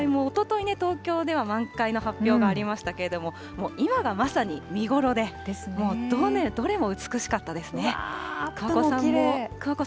もうおととい、東京では満開の発表がありましたけれども、もう今がまさに見頃で、もうどれも美しかったですね。